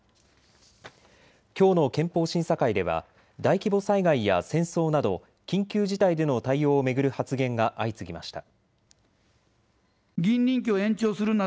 きょうの憲法審査会では大規模災害や戦争など緊急事態での対応を巡る発言が相次ぎました。